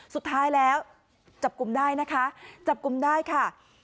สุดท้ายแล้วจับกลุ่มได้นะคะจับกลุ่มได้ค่ะ